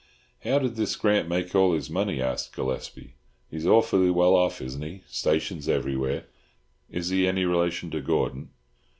"How did this Grant make all his money" asked Gillespie. "He's awfully well off, isn't he? Stations everywhere? Is he any relation to Gordon?"